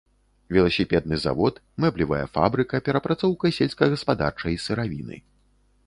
Веласіпедны завод, мэблевая фабрыка, перапрацоўка сельскагаспадарчай сыравіны.